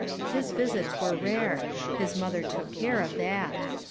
His visits were rare — his mother took care of that.